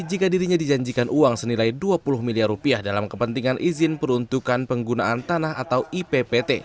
jika dirinya dijanjikan uang senilai dua puluh miliar rupiah dalam kepentingan izin peruntukan penggunaan tanah atau ippt